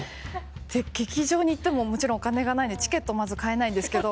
劇場に行ってももちろんお金がないんでチケットまず買えないんですけど。